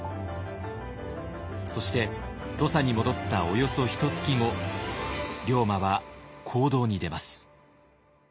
そして土佐に戻ったおよそひとつき後龍馬は行動に出ます。